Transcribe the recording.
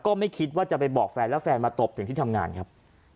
ก็ไม่คิดว่าจะไปบอกแฟนแล้วแฟนมาตบถึงที่ทำงานครับ